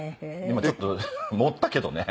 今ちょっと盛ったけどね。